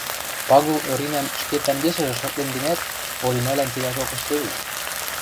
Пагул Оринӓм ӹшке тӓнгешӹжӹ шотлен гӹнят, Оринӓлӓн цилӓжок ӹштӹде.